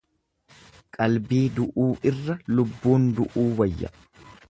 Qalbii du'uu irra lubbuun du'uu wayya.